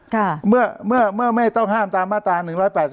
ค่ะเมื่อมันไม่ต้องห้ามตามมาตราน๑๘๔ฮ๓